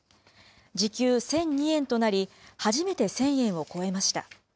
時給１００２円となり、初めて１０００円を超えました。